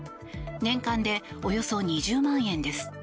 年間で、およそ２０万円です。